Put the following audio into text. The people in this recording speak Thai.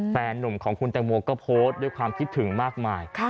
หนุ่มของคุณแตงโมก็โพสต์ด้วยความคิดถึงมากมาย